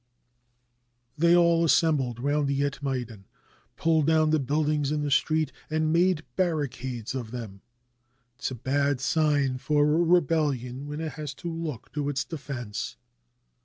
They all assembled round the Etmeidan, pulled down the buildings in the street, and made barricades of them. 'T is a bad sign for a rebellion when it has to look to its defense.